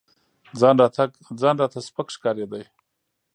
ځان راته سپك ښكارېده.